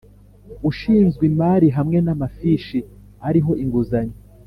Ushinzwe Imari hamwe n’amafishi ariho inguzanyo